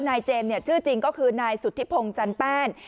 นายเจมส์ชื่อจริงก็คือนายสุธิพงศ์จันแป้น